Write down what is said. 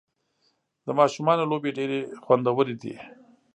د ماشومانو لوبې ډېرې خوندورې دي.